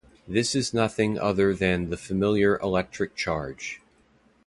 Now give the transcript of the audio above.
This is nothing other than the familiar electric charge.